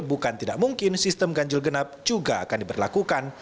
bukan tidak mungkin sistem ganjil genap juga akan diberlakukan